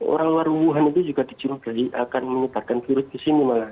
orang luar wuhan itu juga dicintai akan menyebarkan virus di sini malah